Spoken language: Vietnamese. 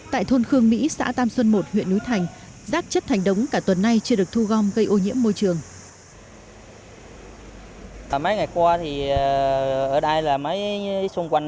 tại thôn khương mỹ xã tam xuân một huyện núi thành rác chất thành đống cả tuần nay chưa được thu gom gây ô nhiễm môi trường